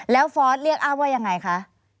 แล้วฟอร์สเรียกอ้าว่ายังไงคะ